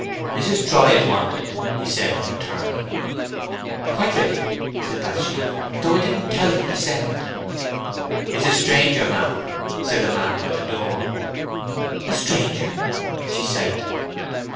"Mrs. Troy is wanted," he said, on returning. "Quite ready," said Bathsheba. "Though I didn't tell them to send." "It is a stranger, ma'am," said the man by the door. "A stranger?" she said.